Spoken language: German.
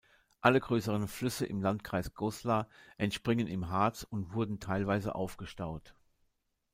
Alle größeren Flüsse im Landkreis Goslar entspringen im Harz und wurden teilweise aufgestaut.